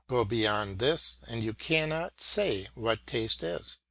Go beyond this, and you cannot say what taste is.